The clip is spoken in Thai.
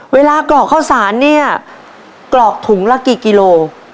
กรอกข้าวสารเนี่ยกรอกถุงละกี่กิโล